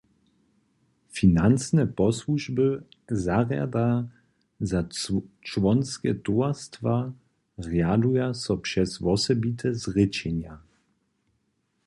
Financne posłužby zarjada za čłonske towarstwa rjaduja so přez wosebite zrěčenja.